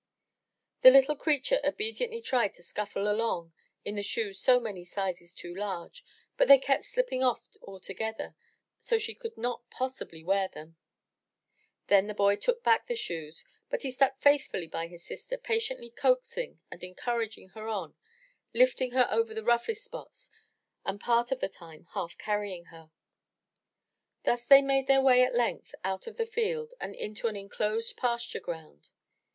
The little creature obediently tried to scuffle along in the shoes so many sizes too large, but they kept slipping off altogether so she could not possibly wear them. Then the boy took back the shoes, but he stuck faithfully by his sister, patiently coaxing and encouraging her on, lifting her over the roughest spots and part of the time half carrying her. Thus they made their way at length out of the field and into an unenclosed pasture ground.